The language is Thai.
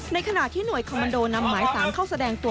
ในขณะที่หน่วยคอมมันโดนำหมายสารเข้าแสดงตัว